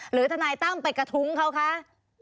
หรือทนายตั้มไปกระทุ้งเขาคะ